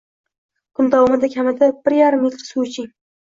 Kun davomida kamida bir yarim litr suv iching.